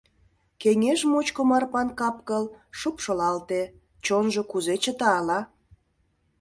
Кеҥеж мучко Марпан капкыл шупшылалте, чонжо кузе чыта ала?